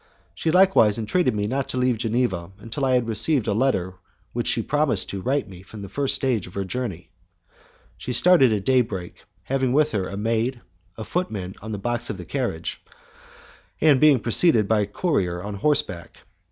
She likewise entreated me not to leave Geneva until I had received a letter which she promised to, write to me from the first stage on her journey. She started at day break, having with her a maid, a footman on the box of the carriage, and being preceded by a courier on horseback.